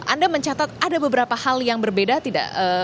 anda mencatat ada beberapa hal yang berbeda tidak